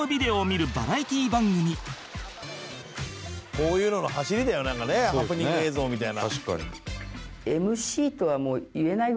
こういうののはしりだよなんかねハプニング映像みたいな。